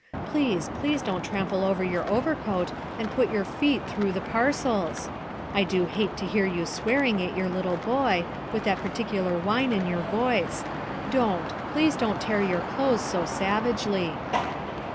Please, please don't trample over your overcoat and put your feet through the parcels. I do hate to hear you swearing at your little boy, with that peculiar whine in your voice. Don't please don't tear your clothes so savagely."